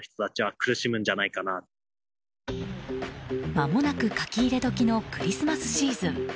まもなく書き入れ時のクリスマスシーズン。